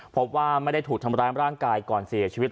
พบว่าไม่ได้ถูกทำร้ายร่างกายก่อนเสียชีวิต